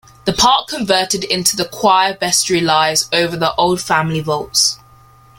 The part converted into the choir vestry lies over the old family vaults.